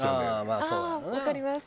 わかります。